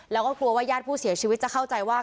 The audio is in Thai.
แล้วก็กลัวว่าญาติผู้เสียชีวิตจะเข้าใจว่า